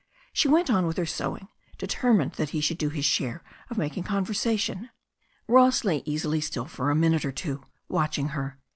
She went on with her sewing, de termined that he should do his share of making conversa tion. Ross lay easily still for a minute or two, watching her.